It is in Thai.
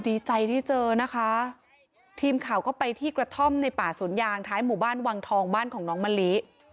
ดีใจที่เจอนะคะทีมข่าวก็ไปที่กระท่อมในป่าสวนยางท้ายหมู่บ้านวังทองบ้านของน้องมะลิ